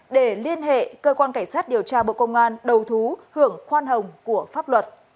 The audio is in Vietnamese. để liên hệ cơ quan cảnh sát điều tra bộ công an đầu thú hưởng khoan hồng của pháp luật